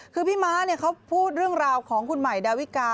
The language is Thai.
คือพี่ม้าเขาพูดเรื่องราวของคุณใหม่ดาวิกา